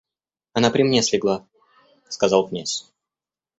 Она при мне слегла, — сказал князь.